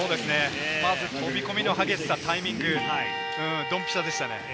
まず飛び込みの激しさ、タイミング、ドンピシャでしたね。